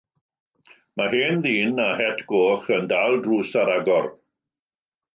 Mae hen ddyn â het goch yn dal drws ar agor